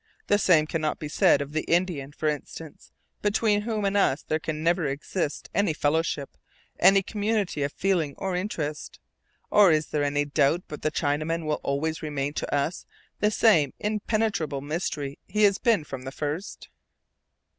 The same cannot be said of the Indian, for instance, between whom and us there can never exist any fellowship, any community of feeling or interest; or is there any doubt but the Chinaman will always remain to us the same impenetrable mystery he has been from the first?